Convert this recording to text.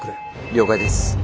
了解です。